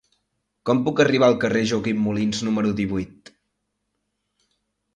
Com puc arribar al carrer de Joaquim Molins número divuit?